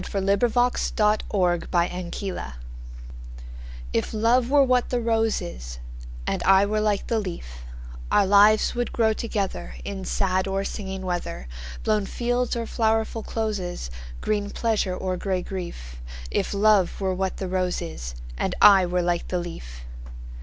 A Match IF love were what the rose is, And I were like the leaf, Our lives would grow togetherIn sad or singing weather, Blown fields or flowerful closes, Green pleasure or gray grief; If love were what the rose is, And I were like the leaf.